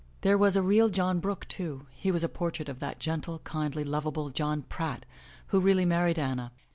There was a real John Brooke, too. He was a portrait of that gentle, kindly, lovable John Pratt, who really married Anna.